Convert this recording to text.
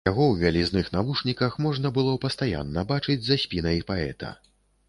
Яго ў вялізных навушніках можна было пастаянна бачыць за спінай паэта.